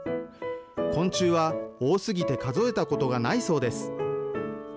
昆虫は多すぎて数えたことがないそうです。